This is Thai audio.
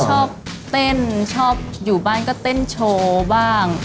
ชอบเต้นชอบอยู่บ้านก็เต้นโชว์บ้าง